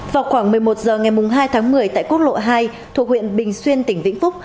vào khoảng một mươi một h ngày hai tháng một mươi tại quốc lộ hai thuộc huyện bình xuyên tỉnh vĩnh phúc